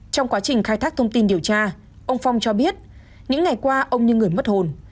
trong quá trình khai thác thông tin điều tra ông phong cho biết những ngày qua ông như người mất hồn